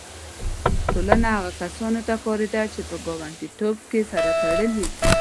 ټولنه هغو کسانو ته کارېده چې په ګانډیتوب کې سره تړلي وي.